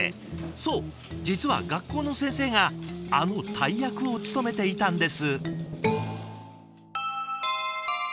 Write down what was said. そう実は学校の先生があの大役を務めていたんです。